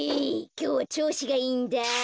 きょうはちょうしがいいんだ。